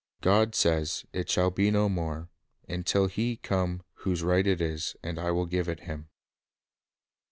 God says, "It shall be no more, until He come whose right it is; and I will give it Him."